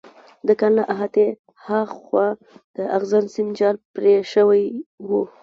د کان له احاطې هاخوا د اغزن سیم جال پرې شوی و